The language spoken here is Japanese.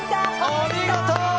お見事！